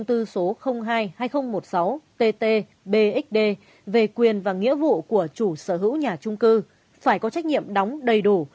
trường hợp giữa chủ đầu tư phải có trách nhiệm đóng đầy đủ